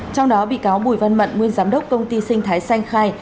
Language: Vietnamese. trong đó bị cáo bùi văn mận nguyên giám đốc công ty sinh thái xanh khai